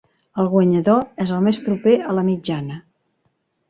El guanyador és el més proper a la mitjana.